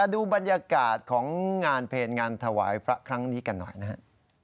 ดูบรรยากาศของงานเพลงงานถวายพระครั้งนี้กันหน่อยนะครับ